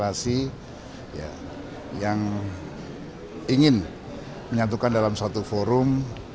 saya dan para aktivis rekonsilasi yang ingin menyatukan dalam suatu forum